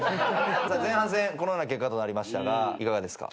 前半戦このような結果となりましたがいかがですか？